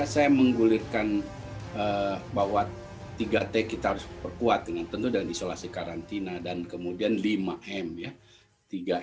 saya menggulirkan bahwa tiga t kita harus perkuat dengan tentu dengan isolasi karantina dan kemudian lima m ya tiga m